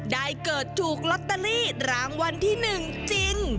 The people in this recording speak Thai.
ได้เกิดถูกลอตเตอรี่รางวัลที่๑จริง